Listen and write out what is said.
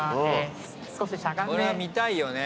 これは見たいよね